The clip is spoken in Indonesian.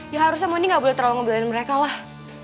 ya harusnya mondi nggak boleh terlalu ngobelin mereka lah